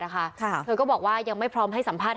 เธอก็บอกว่ายังไม่พร้อมให้สัมภาษณ์